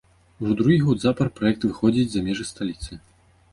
Ужо другі год запар праект выходзіць за межы сталіцы.